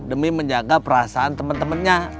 demi menjaga perasaan temen temennya